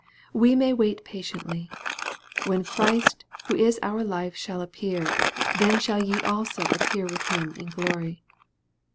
We may wait patiently. " When Christ, who is our life shall appear, then shall ye also appear with Him in glory."